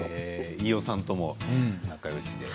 飯尾さんとも仲よしで。